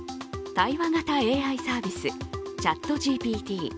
対話型ＡＩサービス、ＣｈａｔＧＰＴ。